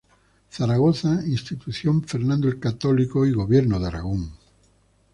Zaragoza, Institución Fernando el Católico y Gobierno de Aragón.